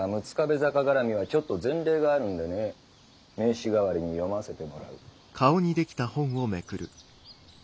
壁坂がらみはちょっと前例があるんでね名刺代わりに読ませてもらう。